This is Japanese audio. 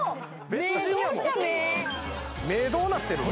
目目どうなってるん？